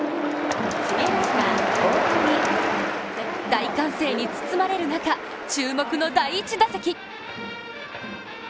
大歓声に包まれる中、注目の第１打席。